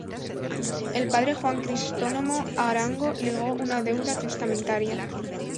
El padre Juan Crisóstomo Arango legó una deuda testamentaria.